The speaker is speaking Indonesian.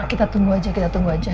kita tunggu aja kita tunggu aja